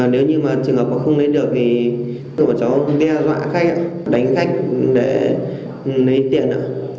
nếu như trường hợp không lên được thì cháu đe dọa khách đánh khách để lấy tiền